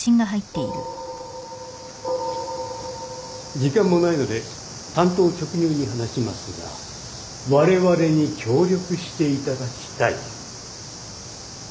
時間もないので単刀直入に話しますがわれわれに協力していただきたい。